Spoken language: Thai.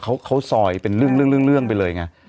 เขาซอยเป็นเรื่องไปเลยไง